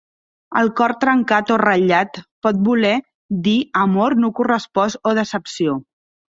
El cor trencat o ratllat pot voler dir amor no correspost o decepció.